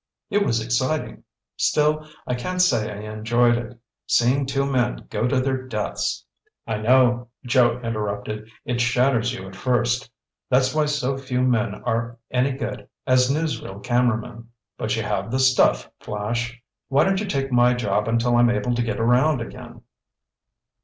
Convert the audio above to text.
"It was exciting. Still, I can't say I enjoyed it. Seeing two men go to their deaths—" "I know," Joe interrupted, "it shatters you, at first. That's why so few men are any good as newsreel cameramen. But you have the stuff, Flash. Why don't you take my job until I'm able to get around again?"